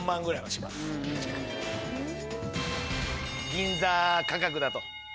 銀座価格だと。